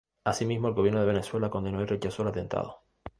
Asimismo, el gobierno de Venezuela condenó y rechazó el atentado.